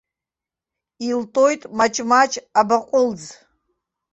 Илтоит маҷ-маҷ абаҟәылӡ.